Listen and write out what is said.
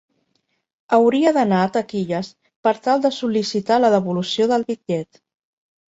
Hauria d'anar a taquilles per tal de sol·licitar la devolució del bitllet.